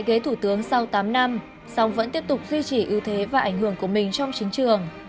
ghế thủ tướng sau tám năm song vẫn tiếp tục duy trì ưu thế và ảnh hưởng của mình trong chính trường